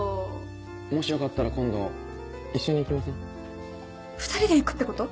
もしよかったら今度一緒に行きません２人で行くってこと？